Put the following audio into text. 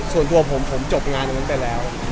ส่วนตัวผมผมจบงานตั้งแต่แล้ว